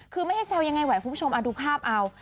คือไม่ให้แซวยังไงไหวคุณผู้ชมดูภาพเอา